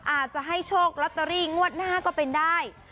อาจจะให้โชคลอตเตอรี่งวดหน้าก็เป็นได้